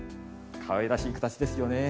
かわいらしい形ですよね。